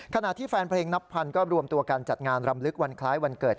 ขณะที่แฟนเพลงนับพันก็รวมตัวกันจัดงานรำลึกวันคล้ายวันเกิด